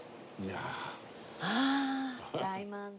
はあ大満足。